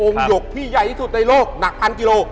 หยกที่ใหญ่ที่สุดในโลกหนักพันกิโล